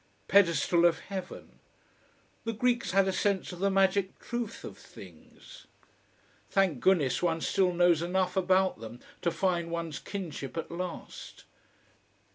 Pedestal of heaven! The Greeks had a sense of the magic truth of things. Thank goodness one still knows enough about them to find one's kinship at last.